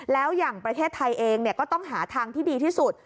แล้วอย่างประเทศไทยเองก็ต้องหาทางที่ดีที่สุด